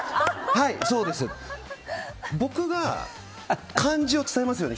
僕が漢字を伝えますよね